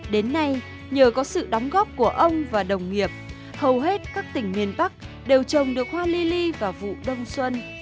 đến nay nhờ có sự đóng góp của ông và đồng nghiệp hầu hết các tỉnh miền bắc đều trồng được hoa li li và vụ đông xuân